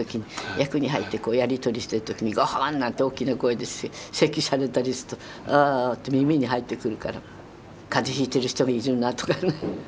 役に入ってこうやり取りしてる時にゴホンなんて大きな声でせきされたりするとああって耳に入ってくるから風邪ひいてる人いるなとかね。